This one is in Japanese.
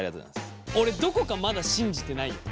俺どこかまだ信じてないよ。